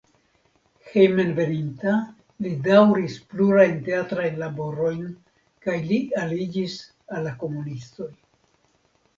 Hejmenveninta li daŭris plurajn teatrajn laborojn kaj li aliĝis al la komunistoj.